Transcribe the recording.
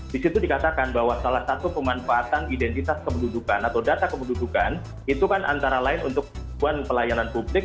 di situ dikatakan bahwa salah satu pemanfaatan identitas kependudukan atau data kependudukan itu kan antara lain untuk kebutuhan pelayanan publik